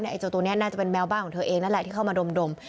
ไอ้เจ้าตัวนี้น่าจะเป็นแมวบ้านของเธอเองนั่นแหละที่เข้ามาดม